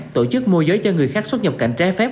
tổ chức môi giới cho người khác xuất nhập cảnh trái phép